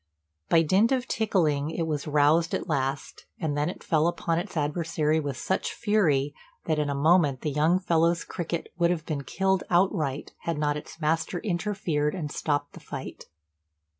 By dint of tickling it was roused at last, and then it fell upon its adversary with such fury, that in a moment the young fellow's cricket would have been killed outright had not its master interfered and stopped the fight.